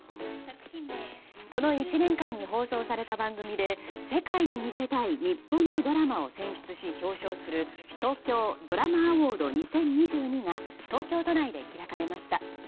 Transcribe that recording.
この１年間に放送された番組で世界に見せたい日本のドラマを選出し表彰する東京ドラマアウォード２０２２が東京都内で開かれました。